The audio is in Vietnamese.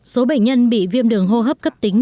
số bệnh nhân bị viêm đường hô hấp cấp tính